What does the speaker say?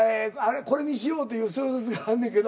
これにしようっていう小説があんねんけど。